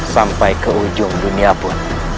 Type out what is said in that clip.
sampai ke ujung dunia pun